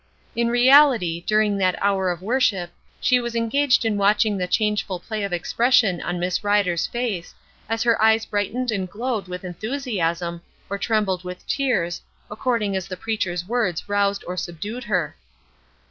In reality, during that hour of worship she was engaged in watching the changeful play of expression on Miss Rider's face, as her eyes brightened and glowed with enthusiasm or trembled with tears, according as the preacher's words roused or subdued her.